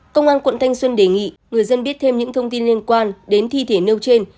công an quận thanh xuân đề nghị người dân biết thêm những thông tin liên quan đến thi thể nêu trên